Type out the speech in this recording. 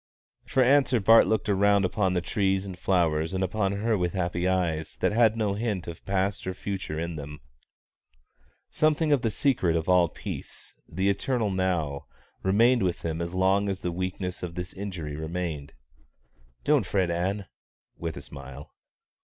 For answer Bart looked around upon the trees and flowers and upon her with happy eyes that had no hint of past or future in them. Something of the secret of all peace the Eternal Now remained with him as long as the weakness of this injury remained. "Don't fret, Ann" (with a smile).